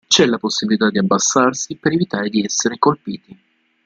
C'è la possibilità di abbassarsi per evitare di essere colpiti.